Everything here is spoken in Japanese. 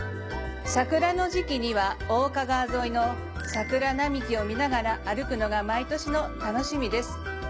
桜の時期には大岡川沿いの桜並木を見ながら歩くのが毎年の楽しみです。